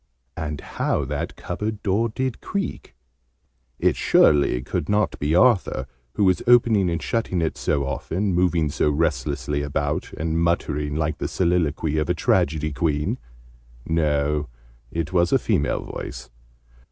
And how that cupboard door did creak! It surely could not be Arthur, who was opening and shutting it so often, moving so restlessly about, and muttering like the soliloquy of a tragedy queen! No, it was a female voice.